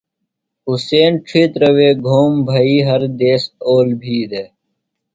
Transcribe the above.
حُسین ڇِھیتر وے گھوم بھئی ہر دیس اول بھی دےۡ۔